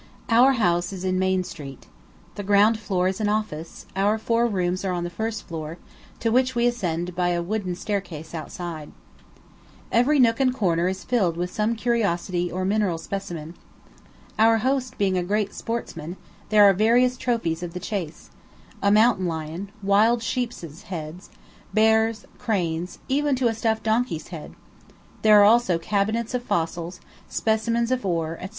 Our house is in Main Street. The ground floor is an office; our four rooms are on the first floor, to which we ascend by a wooden staircase outside. Every nook and corner is filled with some curiosity or mineral specimen. Our host being a great sportsman, there are various trophies of the chase a mountain lion, wild sheeps' heads, bears, cranes, even to a stuffed donkey's head; there are also cabinets of fossils, specimens of ore, etc.